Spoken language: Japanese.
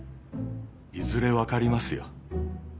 いずれ分かりますよ。